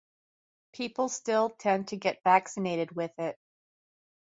People still tend to get vaccinated with it.